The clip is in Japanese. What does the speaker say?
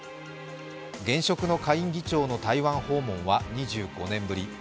現職の下院議長の台湾訪問は２５年ぶり。